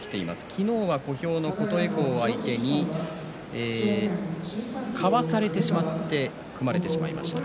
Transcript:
昨日は小兵の琴恵光を相手にかわされてしまって組まれてしまいました。